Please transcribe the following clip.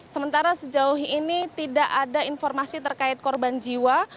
sementara sejauh ini tidak ada informasi terkait korban jiwa